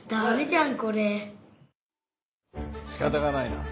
しかたがないな。